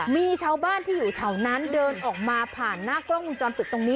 มีชาวบ้านที่อยู่แถวนั้นเดินออกมาผ่านหน้ากล้องมุมจรปิดตรงนี้